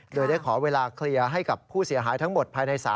โดยได้ขอเวลาเคลียร์ให้กับผู้เสียหายทั้งหมดภายในศาล